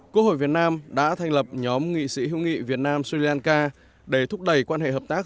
quốc hội việt nam đã thành lập nhóm nghị sĩ hữu nghị việt nam sri lanka để thúc đẩy quan hệ hợp tác